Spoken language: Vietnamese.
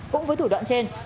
cũng với thủ đoạn trên